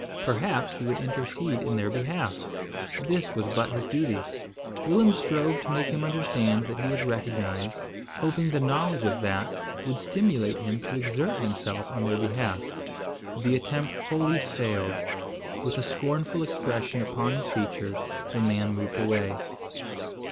Perhaps he would intercede in their behalf! This was but his duty. Willem strove to make him understand that he was recognised, hoping the knowledge of that would stimulate him to exert himself on their behalf. The attempt wholly failed. With a scornful expression upon his features, the man moved away.